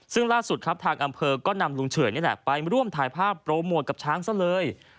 ซึ่งล่าสุดครับทางอำเภอก็นำลุงเฉยนี่แหละไปร่วมถ่ายภาพโปรโมทกับช้างซะเลย